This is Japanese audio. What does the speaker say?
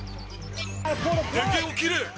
電源を切れ。